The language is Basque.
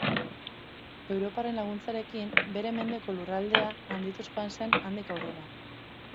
Europarren laguntzarekin, bere mendeko lurraldea handituz joan zen handik aurrera.